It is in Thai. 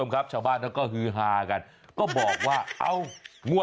ก็เชื่อกันแบบนี้